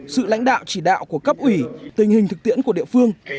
sự lãnh đạo chỉ đạo của cấp ủy tình hình thực tiễn của địa phương